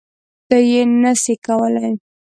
ته یی نه سی کولای